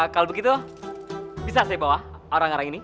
kalau begitu bisa saya bawa orang orang ini